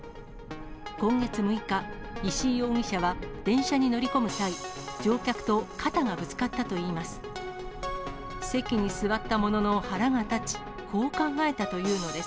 今月６日、石井容疑者は電車に乗り込む際、乗客と肩がぶつかったといいます。